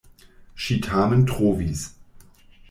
Ŝi tamen trovis!